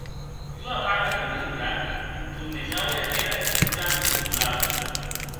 Ua vaga penombra entornejaue aquera figura endolada.